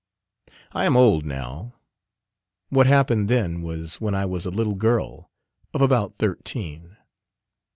I am old now; what happened then was when I was a little girl of about thirteen.